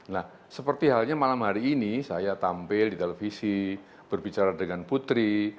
nah seperti halnya malam hari ini saya tampil di televisi berbicara dengan putri